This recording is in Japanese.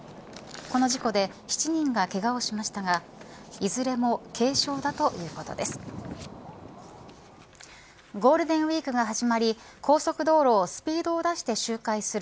この事故で７人がけがをしましたがいずれも軽傷だということです。